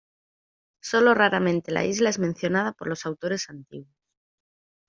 Sólo raramente la isla es mencionada por los autores antiguos.